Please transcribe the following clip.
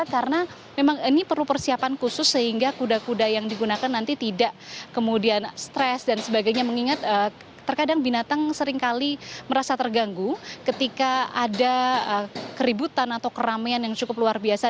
karena memang ini perlu persiapan khusus sehingga kuda kuda yang digunakan nanti tidak kemudian stress dan sebagainya mengingat terkadang binatang seringkali merasa terganggu ketika ada keributan atau keramaian yang cukup luar biasa